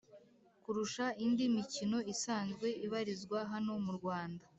Kurusha indi mikino isanzwe ibarizwa hano murwanda